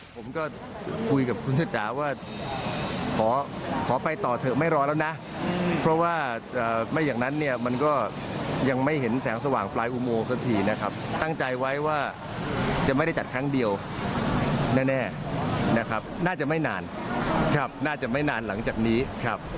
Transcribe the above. ผมก็คุยกับคุณชะจ๋าว่าขอไปต่อเถอะไม่รอแล้วนะเพราะว่าไม่อย่างนั้นเนี่ยมันก็ยังไม่เห็นแสงสว่างปลายอุโมงสักทีนะครับตั้งใจไว้ว่าจะไม่ได้จัดครั้งเดียวแน่นะครับน่าจะไม่นานครับน่าจะไม่นานหลังจากนี้ครับ